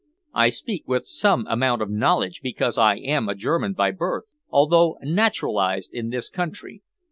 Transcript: I speak with some amount of knowledge because I am a German by birth, although naturalised in this country.